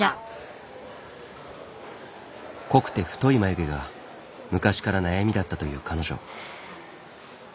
濃くて太い眉毛が昔から悩みだったという彼女。